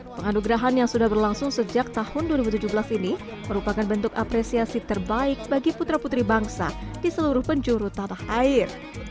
penganugerahan yang sudah berlangsung sejak tahun dua ribu tujuh belas ini merupakan bentuk apresiasi terbaik bagi putra putri bangsa di seluruh penjuru tanah air